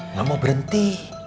nggak mau berhenti